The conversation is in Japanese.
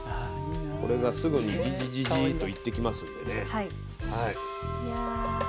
これがすぐにジジジジーと言ってきますんでね。